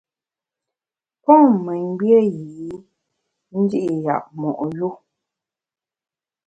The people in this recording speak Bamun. Pon memgbié yî ndi’ yap mo’ yu.